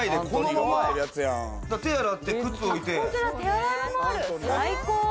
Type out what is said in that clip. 手を洗って、靴を置いて。